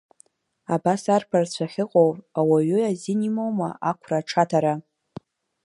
Абас арԥарцәа ахьыҟоу, ауаҩы азин имоума ақәра аҽаҭара!